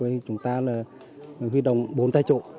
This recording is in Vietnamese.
vậy chúng ta là huy động bốn tay trộn